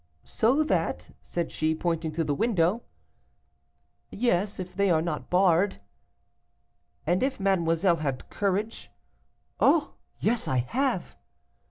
'So that ' said she, pointing to the window. 'Yes, if they are not barred.' 'And if mademoiselle had courage.' 'Oh! yes, I have.